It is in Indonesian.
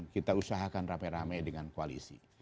kita usahakan rame rame dengan koalisi